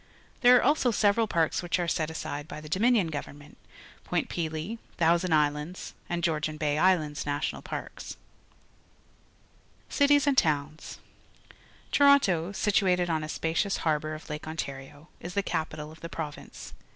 There are also several parks which are set aside by the Dominion Gov ernment — Point Pelee, Thousand Islands, and Georgian Bay Islands National Parks. A View of Yonge Street, Toronto, Ontario Cities and Towns. — Toronto, situated o n a spacious harbour of Lake Ontario, is the capital of the province.